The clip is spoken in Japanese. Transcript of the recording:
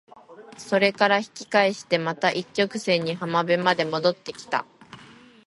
それから引き返してまた一直線に浜辺まで戻って来た。